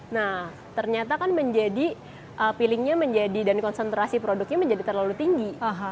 nah ternyata kan menjadi feelingnya menjadi dan konsentrasi produknya menjadi terlalu tinggi